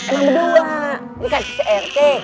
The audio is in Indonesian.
emang berdua ini kan crt